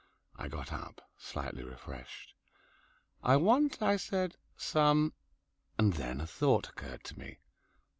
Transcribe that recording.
I got up, slightly refreshed. "I want," I said, "some " and then a thought occurred to me.